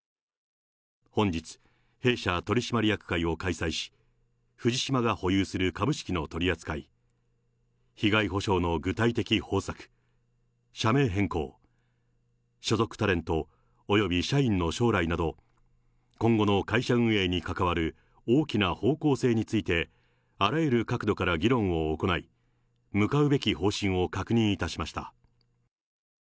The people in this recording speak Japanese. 本日、弊社取締役会を開催し、藤島が保有する株式の取り扱い、被害補償の具体的方策、社名変更、所属タレントおよび社員の将来など、今後の会社運営に関わる大きな方向性について、あらゆる角度から議論を行い、向かうべき方針を確認いたしました。